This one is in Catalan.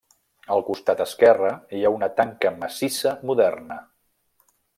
Al costat esquerre hi ha una tanca massissa moderna.